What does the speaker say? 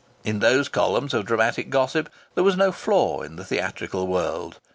In those columns of dramatic gossip there was no flaw in the theatrical world.